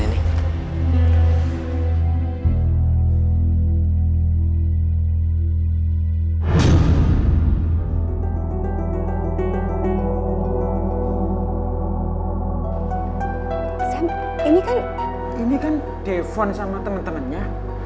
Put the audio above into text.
ini kan dphone sama temen temennya